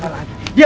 nah samsung loker